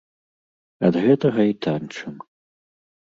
Ад гэтага і танчым!